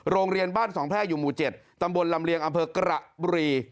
โรงเรียนบ้านสองแพร่อยู่หมู่๗ตำบลลำเลียงอำเภอกระบุรี